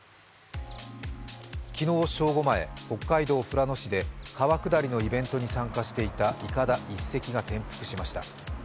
昨日正午前北海道富良野市で川下りのイベントに参加していたいかだ１隻が転覆しました。